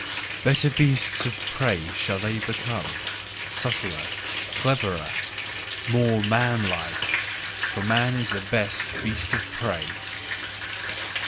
Better beasts of prey shall they thus become, subtler, cleverer, MORE MAN LIKE: for man is the best beast of prey.